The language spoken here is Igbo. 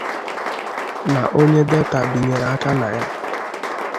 na onye Delta binyèrè aka na ya